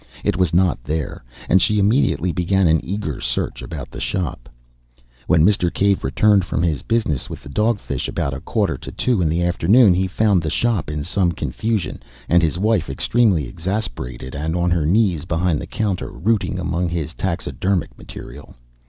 It was not there; and she immediately began an eager search about the shop. When Mr. Cave returned from his business with the dog fish, about a quarter to two in the afternoon, he found the shop in some confusion, and his wife, extremely exasperated and on her knees behind the counter, routing among his taxidermic material.